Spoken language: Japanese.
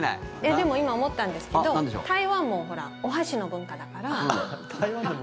でも今、思ったんですけど台湾もお箸の文化だから。